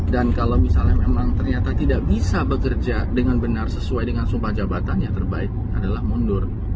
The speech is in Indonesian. dan kalau misalnya memang ternyata tidak bisa bekerja dengan benar sesuai dengan sumpah jabatannya terbaik adalah mundur